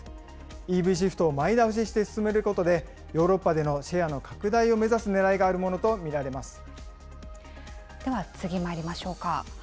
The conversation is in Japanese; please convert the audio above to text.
ＥＶシフトを前倒しして進めることで、ヨーロッパでのシェアの拡大を目指すねらいがあるものと見られまでは次まいりましょうか。